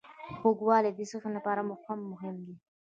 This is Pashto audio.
خوږوالی د ذهن لپاره هم مهم دی.